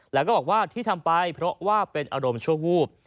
และที่ทำไปเพราะว่าเป็นอารมณ์ช่วยห่วง